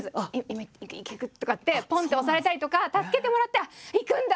「今いけいく」とかってぽんって押されたりとか助けてもらってあっいくんだ！